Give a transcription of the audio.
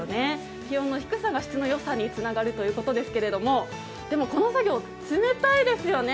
気温の低さが質のよさにつながるということですけれども、この作業、冷たいですよね。